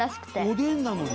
「おでんなのに？」